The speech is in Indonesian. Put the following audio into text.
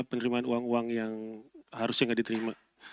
penerimaan uang uang yang harusnya nggak diterima